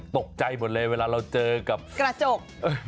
ตกใจหมดเลยเวลาเราเจอกับกระจก